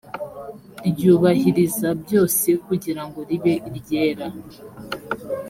ryubahiriza byose kugira ngo ribe iryera